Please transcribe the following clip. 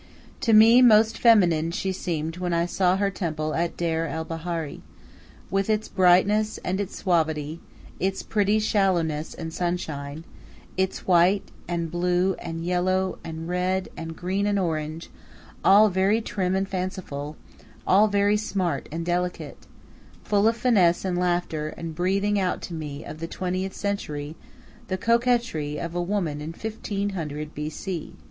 To me most feminine she seemed when I saw her temple at Deir el Bahari, with its brightness and its suavity; its pretty shallowness and sunshine; its white, and blue, and yellow, and red, and green and orange; all very trim and fanciful, all very smart and delicate; full of finesse and laughter, and breathing out to me of the twentieth century the coquetry of a woman in 1500 B.C.